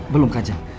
belum kan jem